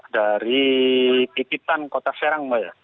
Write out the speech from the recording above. dari pipitan kota serang mbak ya